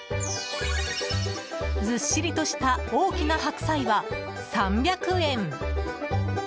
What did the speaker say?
ずっしりとした大きな白菜は３００円。